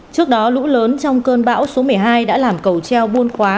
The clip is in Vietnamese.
trước đó lũ lớn trong cơn bão số một mươi hai đã làm cầu treo buôn khóa